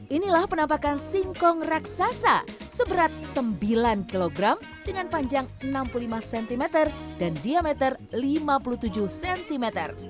inilah penampakan singkong raksasa seberat sembilan kg dengan panjang enam puluh lima cm dan diameter lima puluh tujuh cm